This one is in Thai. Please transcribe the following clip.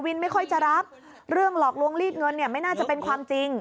ไม่ค่อยจะรับเรื่องหลอกลวงลีดเงินเนี่ยไม่น่าจะเป็นความจริง